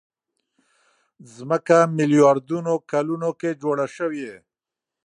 ځمکه ميلياردونو کلونو کې جوړه شوې.